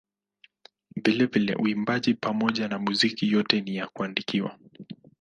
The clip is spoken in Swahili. Vilevile uimbaji pamoja na muziki yote ni ya kuandikwa.